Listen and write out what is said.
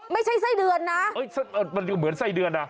ไม่ใช่ไส้เดือนนะมันก็เหมือนไส้เดือนนะ